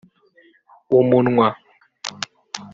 umunwa